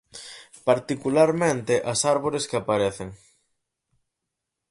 Particularmente as árbores que aparecen.